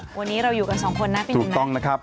วันนี้เราอยู่กันสองคนน่ะเป็นยังไงถูกต้องนะครับ